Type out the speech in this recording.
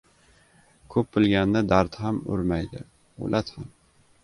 • Ko‘p bilganni dard ham urmaydi, o‘lat ham.